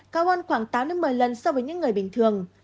cao hơn khoảng tám một mươi lần so với những người bình thường